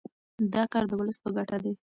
دا کار د ولس په ګټه دی.